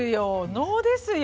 能ですよ。